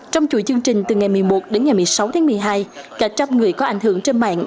trong chuỗi chương trình từ ngày một mươi một đến ngày một mươi sáu tháng một mươi hai cả trăm người có ảnh hưởng trên mạng